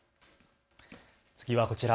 次はこちら。